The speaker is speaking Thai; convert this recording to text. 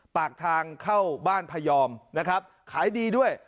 ปากทางเข้าบ้านพยอมนะครับขายดีด้วย